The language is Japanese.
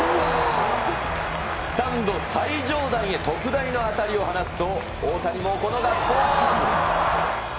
スタンド最上段へ特大の当たりを放つと、大谷もこのガッツポーズ。